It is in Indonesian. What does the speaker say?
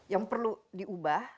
yang perlu diubah